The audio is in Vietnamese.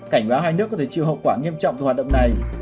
cảnh báo hai nước có thể chịu hậu quả nghiêm trọng từ hoạt động này